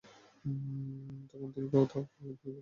তিনি তখনও কোথাও অজ্ঞান হয়ে পড়েছিলেন।